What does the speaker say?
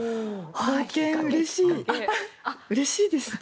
貢献、うれしいですね。